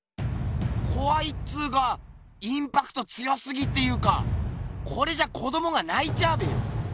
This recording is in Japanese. こわいっつうかインパクト強すぎっていうかこれじゃ子どもがないちゃうべよ。